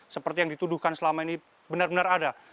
seperti yang dituduhkan selama ini benar benar ada